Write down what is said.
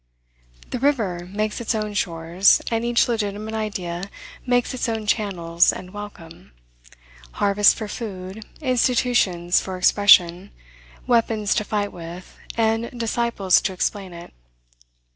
The river makes its own shores, and each legitimate idea makes its own channels and welcome, harvest for food, institutions for expression, weapons to fight with, and disciples to explain it.